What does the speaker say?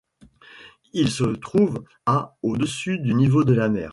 Il se trouve à au-dessus du niveau de la mer.